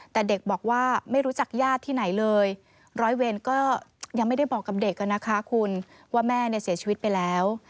แต่เด็กบอกว่าไม่รู้จักญาติที่ไหนเลยร้อยเวรก็ยังไม่ได้บอกกับเด็กนะคะคุณว่าแม่เนี่ยเสียชีวิตไปแล้ว